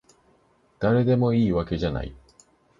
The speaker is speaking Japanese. だれでもいいわけじゃない